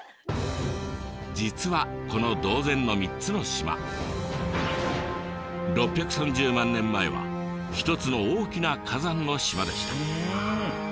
実はこの島前の３つの島６３０万年前は一つの大きな火山の島でした。